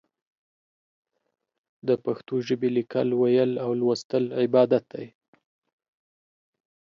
د پښتو ژبې ليکل، ويل او ولوستل عبادت دی.